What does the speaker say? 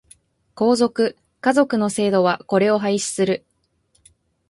皇族、華族の制度はこれを廃止する。